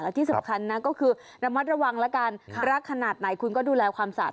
ที่สำคัญนะก็คือระมัดระวังแล้วกันรักขนาดไหนคุณก็ดูแลความสะอาด